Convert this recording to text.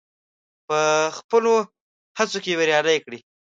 په خپلو هڅو کې بريالی کړي.